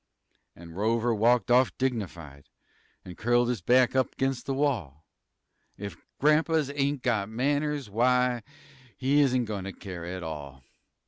'N Rover walked off dignified An' curled his back up 'gainst th' wall If grampas ain't got manners, w'y, He isn't goin' to care at all.